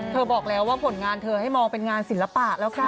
บอกแล้วว่าผลงานเธอให้มองเป็นงานศิลปะแล้วค่ะ